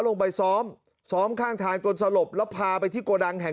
ลงไปซ้อมซ้อมข้างทางจนสลบแล้วพาไปที่โกดังแห่ง